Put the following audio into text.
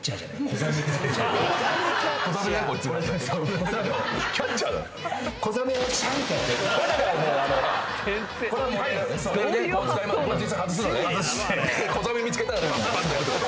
子ザメ見つけたらぱっとやるってこと？